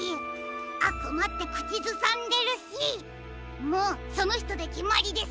「あくま」ってくちずさんでるしもうそのひとできまりですね！